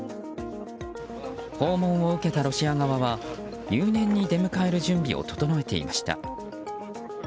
訪問を受けたロシア側は入念に出迎える準備を整えていました。